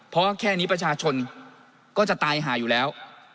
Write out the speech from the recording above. เพราะแค่นี้ประชาชนก็จะตายหาอยู่แล้ว